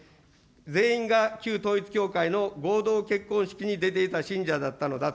全員が旧統一教会の合同結婚式に出ていた信者だったのだ。